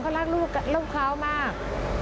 เขารักลูกเขามาก